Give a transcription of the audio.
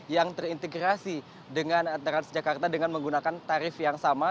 yang terintegrasi dengan transjakarta dengan menggunakan tarif yang sama